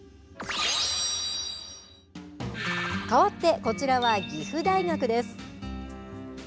かわってこちらは岐阜大学です。